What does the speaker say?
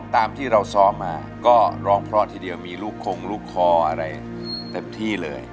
ติดต่อเท่านี้ก็จะหลายเป็นอย่าง